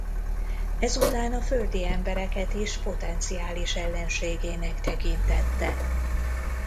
Ezután a földi embereket is potenciális ellenségének tekintette.